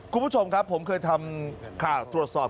คุณผู้ชมครับผมเคยทำข่าวตรวจสอบ